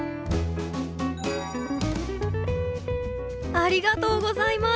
ありがとうございます。